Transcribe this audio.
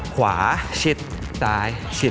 ขวาชิดซ้ายชิด